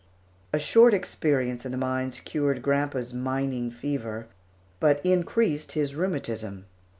A short experience in the mines cured grandpa's "mining fever," but increased his rheumatism.